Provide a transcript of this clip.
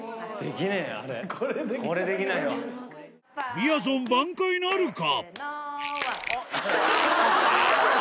みやぞん挽回なるか？